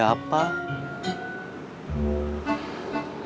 ya kita semua